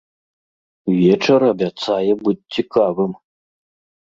Вечар абяцае быць цікавым!